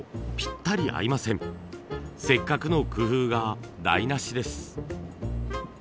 せっかくの工夫が台なしです。